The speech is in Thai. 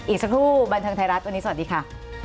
อีกสักครู่บันเทิงไทยรัฐวันนี้สวัสดีค่ะ